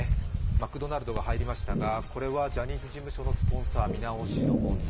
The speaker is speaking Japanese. マクドナルドが入りましたが、これはジャニーズ事務所のスポンサー見直しの問題。